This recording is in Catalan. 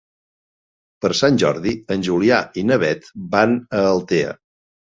Per Sant Jordi en Julià i na Beth van a Altea.